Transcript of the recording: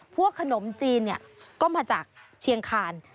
พวกขนมจีนก็มาจากเชียงคาน